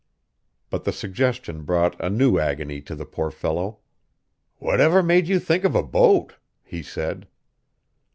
But the suggestion brought a new agony to the poor fellow. "Whatever made you think of a boat?" he said.